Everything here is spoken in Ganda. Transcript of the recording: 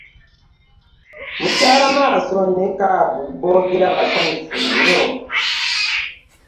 Mukyala Maaso ne Kabu boogera basanyufu nnyo.